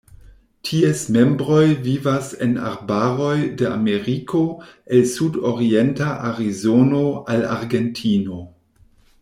Ties membroj vivas en arbaroj de Ameriko el sudorienta Arizono al Argentino.